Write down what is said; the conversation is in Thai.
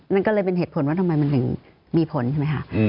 นั่นก็เลยเป็นเหตุผลว่าทำไมมันถึงมีผลใช่ไหมคะ